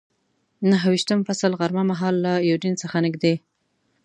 نهه ویشتم فصل، غرمه مهال له یوډین څخه نږدې.